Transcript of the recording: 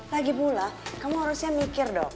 lagi pula kamu harusnya mikir dok